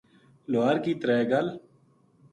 لوہار کی ترے گل